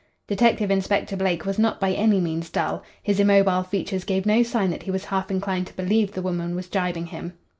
Detective Inspector Blake was not by any means dull. His immobile features gave no sign that he was half inclined to believe the woman was gibing him.